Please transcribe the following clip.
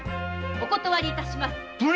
お断り致します！